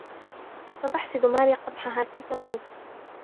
ستحصد ماري قمحها في تموز.